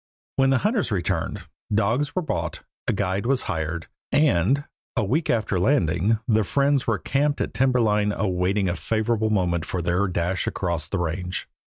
When the hunters returned, dogs were bought, a guide was hired, and, a week after landing, the friends were camped at timber line awaiting a favorable moment for their dash across the range.